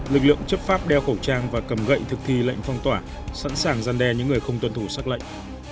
lực lượng chấp pháp đeo khẩu trang và cầm gậy thực thi lệnh phong tỏa sẵn sàng gian đe những người không tuân thủ sắc lệnh